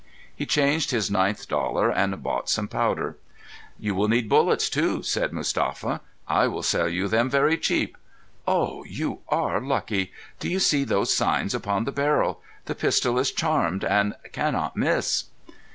He changed his ninth dollar and bought some powder. "You will need bullets, too," said Mustapha. "I will sell you them very cheap. Oh, you are lucky! Do you see those signs upon the barrel? The pistol is charmed and cannot miss."